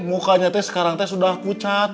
mukanya teh sekarang teh sudah pucat